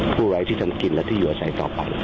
ผู้ไหลที่จะกินและที่อยู่อาศัยต่อไป